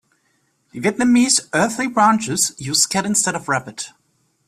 The Vietnamese Earthly Branches use cat instead of Rabbit.